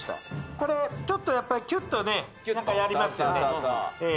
これちょっとやっぱりきゅっと何かやりますよね。